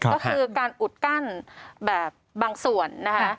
ก็คือการอุดกั้นแบบบางส่วนนะคะ